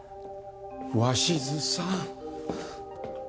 鷲津さん。